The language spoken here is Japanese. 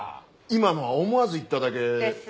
今のは思わず言っただけ。です。